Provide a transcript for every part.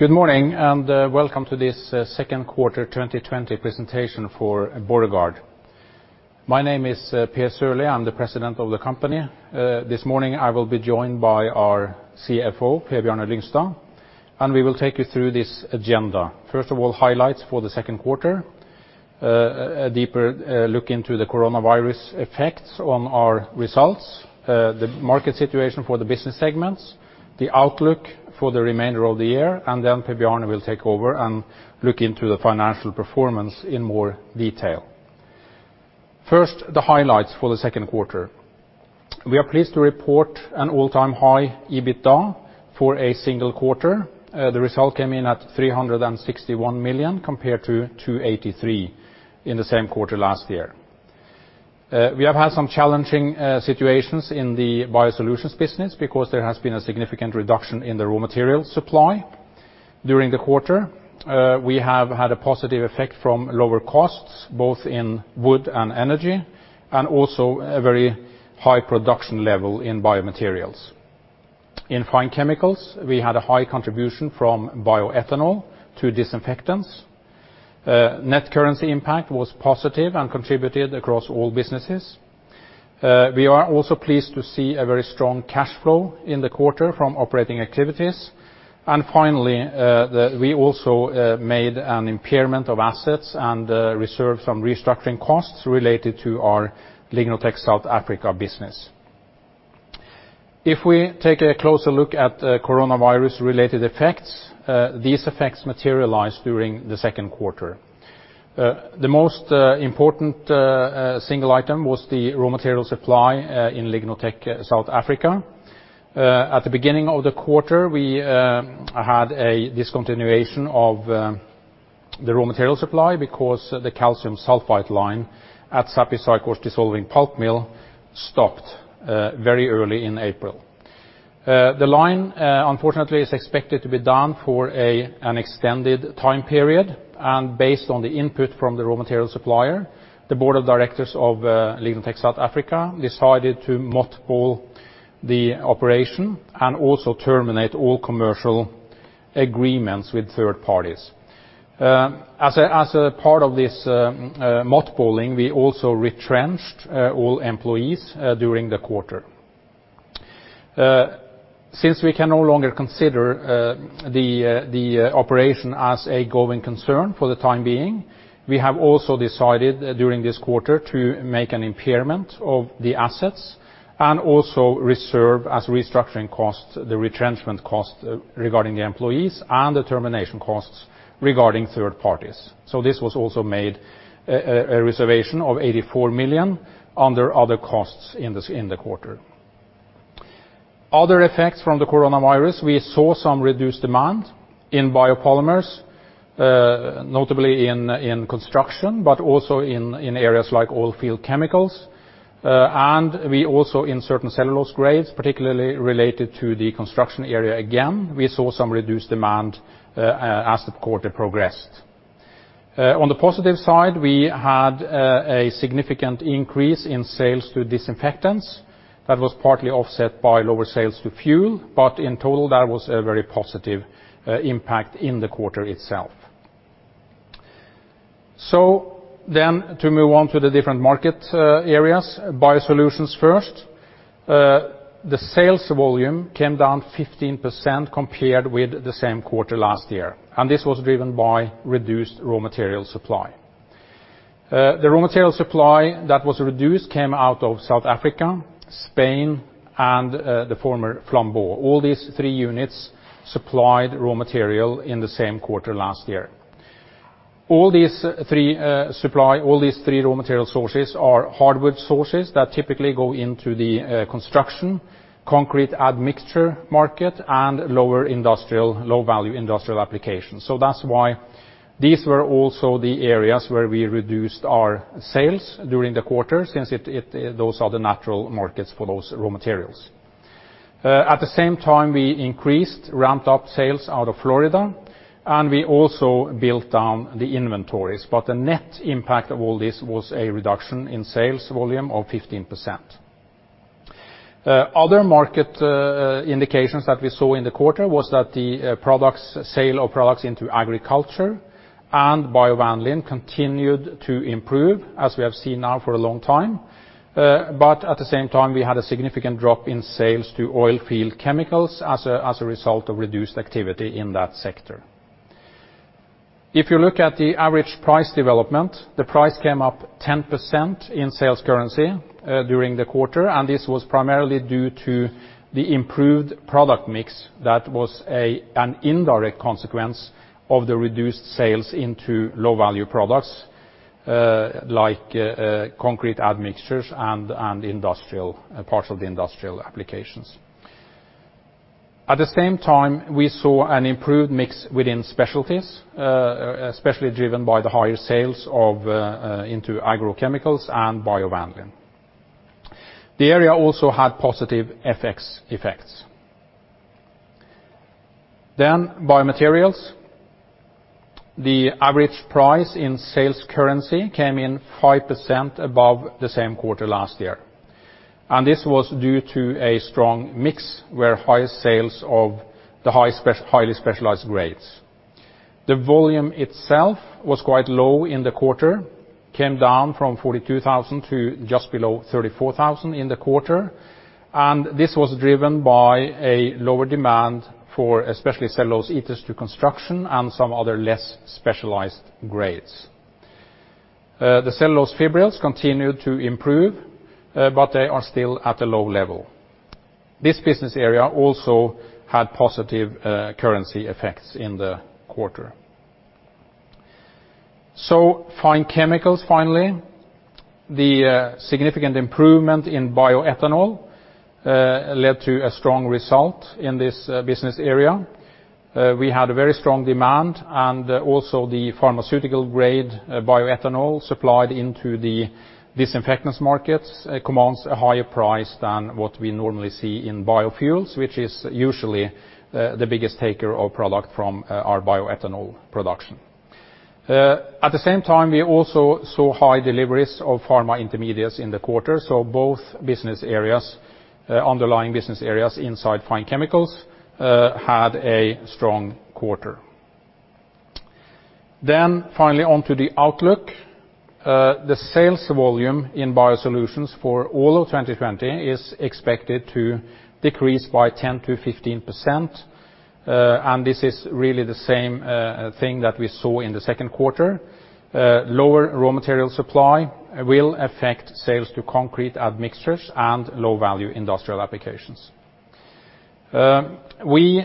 Good morning, welcome to this second quarter 2020 presentation for Borregaard. My name is Per Sørlie. I'm the President of the company. This morning, I will be joined by our CFO, Per Bjarne Lyngstad, and we will take you through this agenda. First of all, highlights for the second quarter, a deeper look into the coronavirus effects on our results, the market situation for the business segments, the outlook for the remainder of the year, and then Per Bjarne will take over and look into the financial performance in more detail. First, the highlights for the second quarter. We are pleased to report an all-time high EBITDA for a single quarter. The result came in at 361 million compared to 283 million in the same quarter last year. We have had some challenging situations in the BioSolutions business because there has been a significant reduction in the raw material supply during the quarter. We have had a positive effect from lower costs, both in wood and energy, and also a very high production level in BioMaterials. In Fine Chemicals, we had a high contribution from bioethanol to disinfectants. Net currency impact was positive and contributed across all businesses. We are also pleased to see a very strong cash flow in the quarter from operating activities. Finally, we also made an impairment of assets and reserved some restructuring costs related to our LignoTech South Africa business. If we take a closer look at coronavirus-related effects, these effects materialized during the second quarter. The most important single item was the raw material supply in LignoTech South Africa. At the beginning of the quarter, we had a discontinuation of the raw material supply because the calcium sulfite line at Sappi Saiccor's dissolving pulp mill This was also made a reservation of 84 million under other costs in the quarter. Other effects from the coronavirus, we saw some reduced demand in biopolymers, notably in construction, but also in areas like oilfield chemicals. We also in certain cellulose grades, particularly related to the construction area again, we saw some reduced demand as the quarter progressed. On the positive side, we had a significant increase in sales to disinfectants that was partly offset by lower sales to fuel, but in total, that was a very positive impact in the quarter itself. To move on to the different market areas, BioSolutions first. The sales volume came down 15% compared with the same quarter last year, and this was driven by reduced raw material supply. The raw material supply that was reduced came out of South Africa, Spain, and the former Flambeau. All these three units supplied raw material in the same quarter last year. All these three raw material sources are hardwood sources that typically go into the construction, concrete admixture market, and lower industrial, low-value industrial applications. That's why these were also the areas where we reduced our sales during the quarter since those are the natural markets for those raw materials. At the same time, we ramped up sales out of Florida, and we also built down the inventories. The net impact of all this was a reduction in sales volume of 15%. Other market indications that we saw in the quarter was that the sale of products into agriculture and biovanillin continued to improve, as we have seen now for a long time. At the same time, we had a significant drop in sales to oilfield chemicals as a result of reduced activity in that sector. If you look at the average price development, the price came up 10% in sales currency during the quarter, and this was primarily due to the improved product mix that was an indirect consequence of the reduced sales into low-value products, like concrete admixtures and parts of the industrial applications. At the same time, we saw an improved mix within specialties, especially driven by the higher sales into agrochemicals and biovanillin. The area also had positive FX effects. BioMaterials. The average price in sales currency came in 5% above the same quarter last year. This was due to a strong mix where high sales of the highly specialized grades. The volume itself was quite low in the quarter, came down from 42,000 to just below 34,000 in the quarter. This was driven by a lower demand for especially cellulose ethers to construction and some other less specialized grades. The cellulose fibrils continued to improve, but they are still at a low level. This business area also had positive currency effects in the quarter. Fine Chemicals, finally. The significant improvement in bioethanol led to a strong result in this business area. We had a very strong demand and also the pharmaceutical-grade bioethanol supplied into the disinfectants markets commands a higher price than what we normally see in biofuels, which is usually the biggest taker of product from our bioethanol production. At the same time, we also saw high deliveries of pharma intermediates in the quarter, so both underlying business areas inside Fine Chemicals had a strong quarter. Finally, onto the outlook. The sales volume in BioSolutions for all of 2020 is expected to decrease by 10%-15%. This is really the same thing that we saw in the second quarter. Lower raw material supply will affect sales to concrete admixtures and low-value industrial applications. We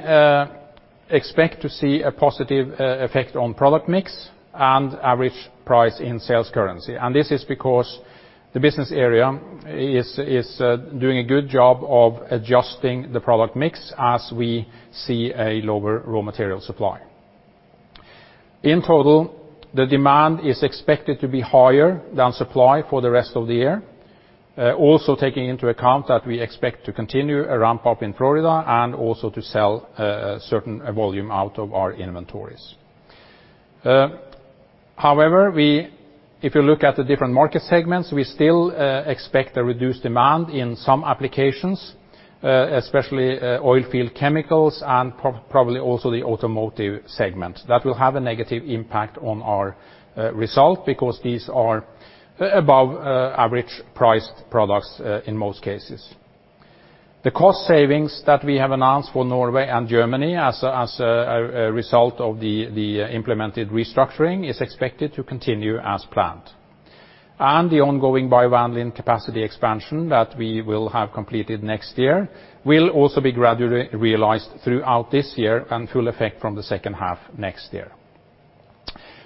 expect to see a positive effect on product mix and average price in sales currency. This is because the business area is doing a good job of adjusting the product mix as we see a lower raw material supply. In total, the demand is expected to be higher than supply for the rest of the year. Also taking into account that we expect to continue a ramp-up in Florida and also to sell a certain volume out of our inventories. If you look at the different market segments, we still expect a reduced demand in some applications, especially oilfield chemicals and probably also the automotive segment. That will have a negative impact on our result because these are above average priced products in most cases. The cost savings that we have announced for Norway and Germany as a result of the implemented restructuring is expected to continue as planned. The ongoing biovanillin capacity expansion that we will have completed next year will also be gradually realized throughout this year and full effect from the second half next year.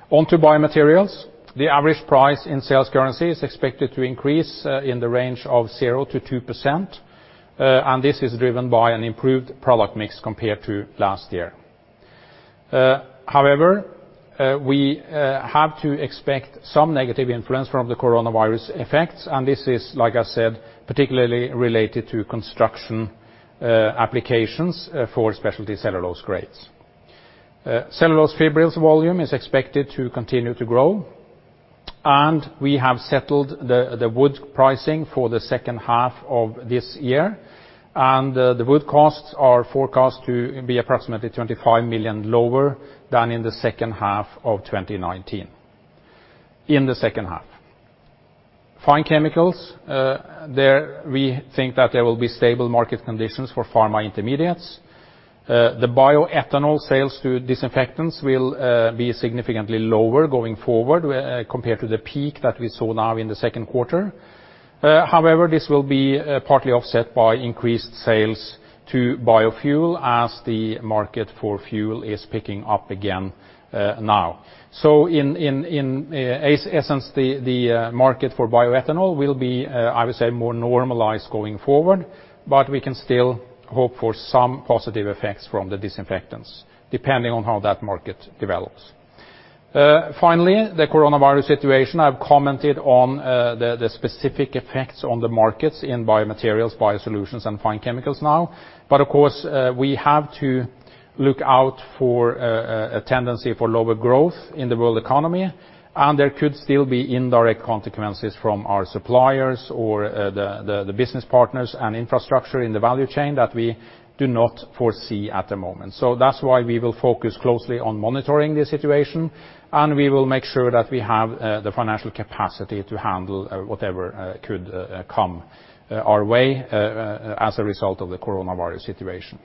On to BioMaterials. The average price in sales currency is expected to increase in the range of 0%-2%, this is driven by an improved product mix compared to last year. However, we have to expect some negative influence from the coronavirus effects, and this is, like I said, particularly related to construction applications for specialty cellulose grades. cellulose fibrils volume is expected to continue to grow, and we have settled the wood pricing for the second half of this year. The wood costs are forecast to be approximately 25 million lower than in the second half of 2019. In the second half. Fine Chemicals, there we think that there will be stable market conditions for pharma intermediates. The bioethanol sales to disinfectants will be significantly lower going forward compared to the peak that we saw now in the second quarter. However, this will be partly offset by increased sales to biofuel as the market for fuel is picking up again now. In essence, the market for bioethanol will be, I would say, more normalized going forward, but we can still hope for some positive effects from the disinfectants, depending on how that market develops. Finally, the coronavirus situation. I've commented on the specific effects on the markets in BioMaterials, BioSolutions, and Fine Chemicals now. Of course, we have to look out for a tendency for lower growth in the world economy, and there could still be indirect consequences from our suppliers or the business partners and infrastructure in the value chain that we do not foresee at the moment. That's why we will focus closely on monitoring the situation, and we will make sure that we have the financial capacity to handle whatever could come our way as a result of the coronavirus situation.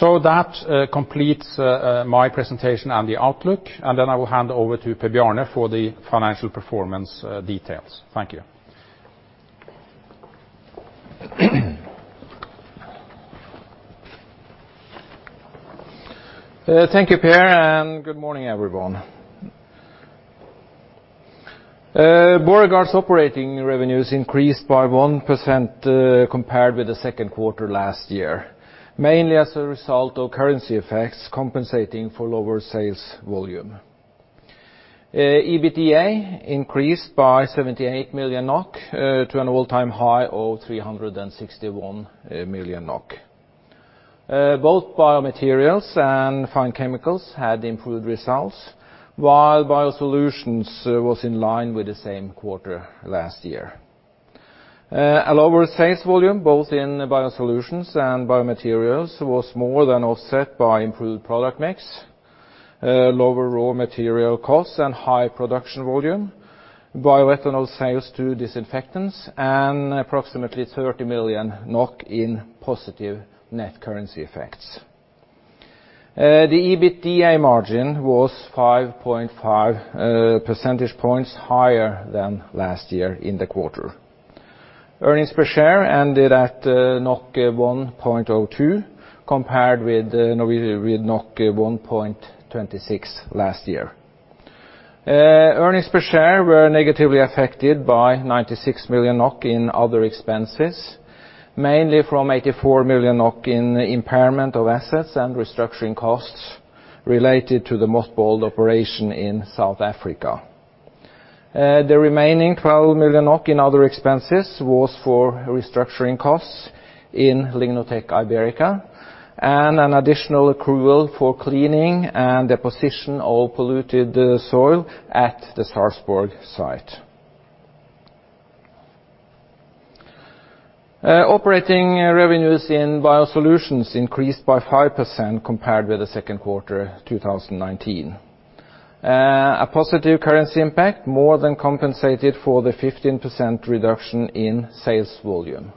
That completes my presentation and the outlook, and then I will hand over to Per Bjarne for the financial performance details. Thank you. Thank you, Per, good morning, everyone. Borregaard's operating revenues increased by 1% compared with the second quarter last year, mainly as a result of currency effects compensating for lower sales volume. EBITDA increased by 78 million NOK to an all-time high of 361 million NOK. Both BioMaterials and Fine Chemicals had improved results, while BioSolutions was in line with the same quarter last year. A lower sales volume, both in BioSolutions and BioMaterials, was more than offset by improved product mix, lower raw material costs and high production volume, bioethanol sales to disinfectants, and approximately 30 million in positive net currency effects. The EBITDA margin was 5.5 percentage points higher than last year in the quarter. Earnings per share ended at 1.02, compared with 1.26 last year. Earnings per share were negatively affected by 96 million NOK in other expenses, mainly from 84 million NOK in impairment of assets and restructuring costs related to the mothballed operation in South Africa. The remaining 12 million in other expenses was for restructuring costs in LignoTech Ibérica, and an additional accrual for cleaning and deposition of polluted soil at the Sarpsborg site. Operating revenues in BioSolutions increased by 5% compared with the second quarter 2019. A positive currency impact more than compensated for the 15% reduction in sales volume.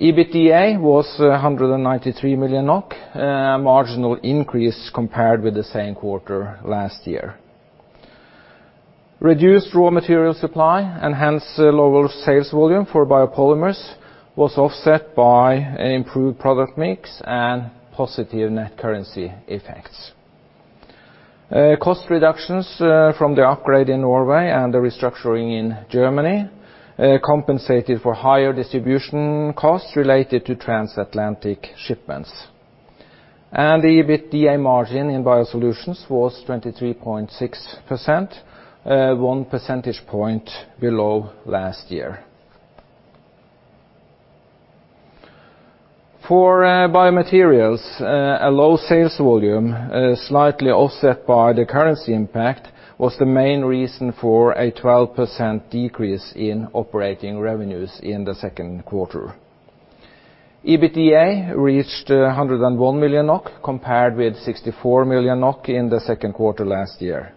EBITDA was 193 million NOK, a marginal increase compared with the same quarter last year. Reduced raw material supply, and hence lower sales volume for biopolymers, was offset by improved product mix and positive net currency effects. Cost reductions from the upgrade in Norway and the restructuring in Germany compensated for higher distribution costs related to transatlantic shipments. The EBITDA margin in BioSolutions was 23.6%, one percentage point below last year. For BioMaterials, a low sales volume, slightly offset by the currency impact, was the main reason for a 12% decrease in operating revenues in the second quarter. EBITDA reached 101 million NOK, compared with 64 million NOK in the second quarter last year.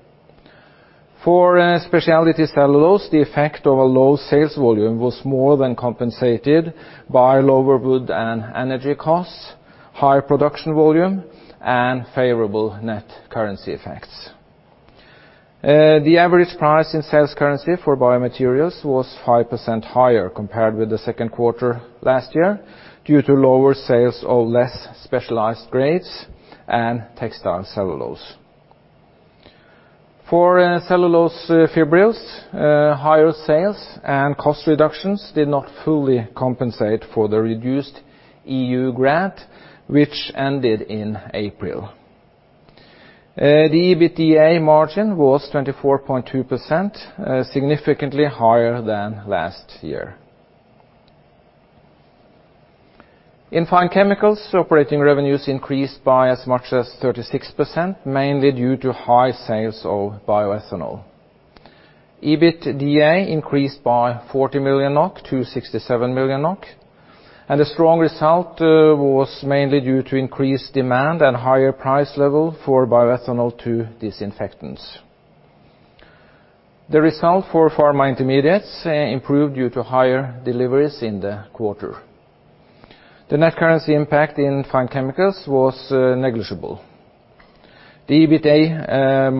For specialty cellulose, the effect of a low sales volume was more than compensated by lower wood and energy costs, high production volume, and favorable net currency effects. The average price in sales currency for BioMaterials was 5% higher compared with the second quarter last year, due to lower sales of less specialized grades and textile cellulose. For cellulose fibrils, higher sales and cost reductions did not fully compensate for the reduced EU grant, which ended in April. The EBITDA margin was 24.2%, significantly higher than last year. In Fine Chemicals, operating revenues increased by as much as 36%, mainly due to high sales of bioethanol. EBITDA increased by 40 million NOK to 67 million NOK, the strong result was mainly due to increased demand and higher price level for bioethanol to disinfectants. The result for pharma intermediates improved due to higher deliveries in the quarter. The net currency impact in Fine Chemicals was negligible. The EBITDA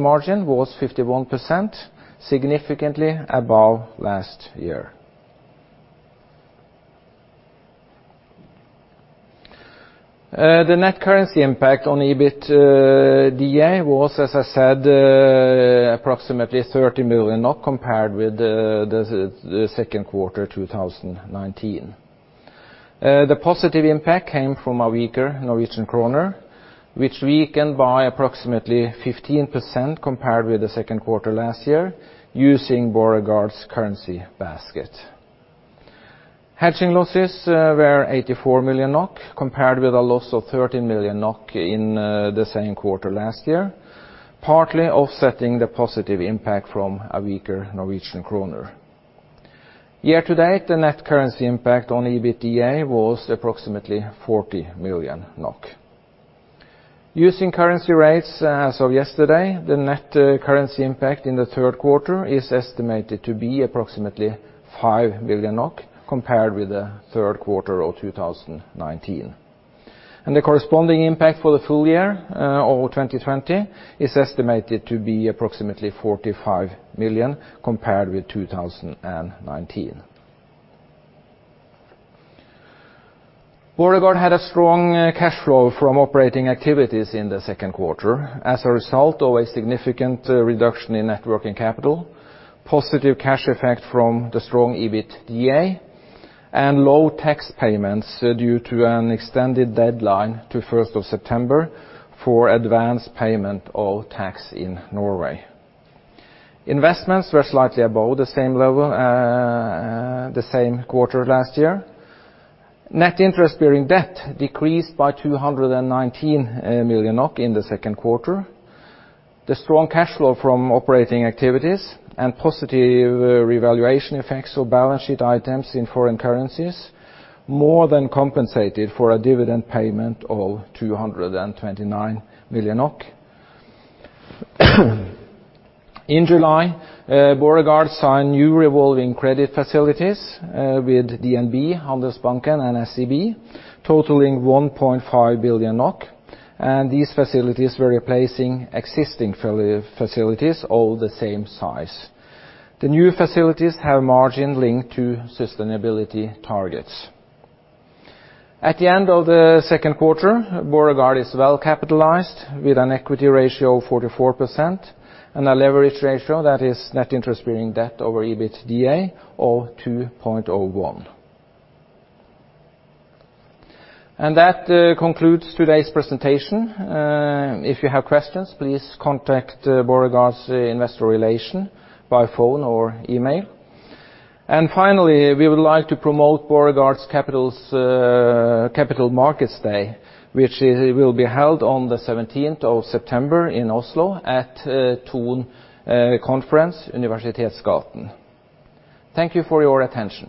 margin was 51%, significantly above last year. The net currency impact on EBITDA was, as I said, approximately 30 million, compared with the second quarter 2019. The positive impact came from a weaker Norwegian kroner, which weakened by approximately 15% compared with the second quarter last year, using Borregaard's currency basket. Hedging losses were 84 million NOK, compared with a loss of 13 million NOK in the same quarter last year, partly offsetting the positive impact from a weaker Norwegian kroner. Year-to-date, the net currency impact on EBITDA was approximately 40 million NOK. Using currency rates as of yesterday, the net currency impact in the third quarter is estimated to be approximately five million NOK, compared with the third quarter of 2019. The corresponding impact for the full year of 2020 is estimated to be approximately 45 million, compared with 2019. Borregaard had a strong cash flow from operating activities in the second quarter as a result of a significant reduction in net working capital, positive cash effect from the strong EBITDA, and low tax payments due to an extended deadline to 1st of September for advanced payment of tax in Norway. Investments were slightly above the same quarter last year. Net interest-bearing debt decreased by 219 million NOK in the second quarter. The strong cash flow from operating activities and positive revaluation effects of balance sheet items in foreign currencies more than compensated for a dividend payment of 229 million NOK. In July, Borregaard signed new revolving credit facilities with DNB, Handelsbanken, and SEB, totaling 1.5 billion NOK. These facilities were replacing existing facilities of the same size. The new facilities have a margin linked to sustainability targets. At the end of the second quarter, Borregaard is well capitalized, with an equity ratio of 44% and a leverage ratio that is net interest-bearing debt over EBITDA of 2.01. That concludes today's presentation. If you have questions, please contact Borregaard's investor relation by phone or email. Finally, we would like to promote Borregaard's Capital Markets Day, which will be held on the 17th of September in Oslo at Thon Conference Universitetsgaten. Thank you for your attention